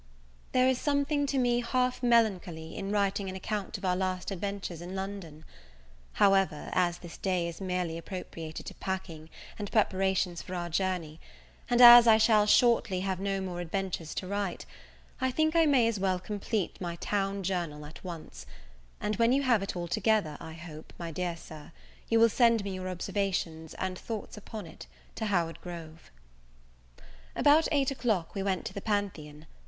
THERE is something to me half melancholy in writing an account of our last adventures in London. However, as this day is merely appropriated to packing and preparations for our journey, and as I shall shortly have no more adventures to write, I think I may as well complete my town journal at once: and, when you have it all together, I hope, my dear Sir, you will send me your observations and thoughts upon it to Howard Grove. About eight o'clock we went to the Pantheon.